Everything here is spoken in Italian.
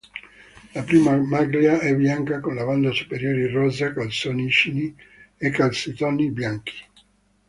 La prima maglia è bianca con la banda superiore rosa, calzoncini e calzettoni bianchi.